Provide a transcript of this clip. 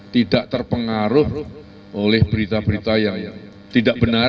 tidak terpengaruh oleh berita berita yang tidak benar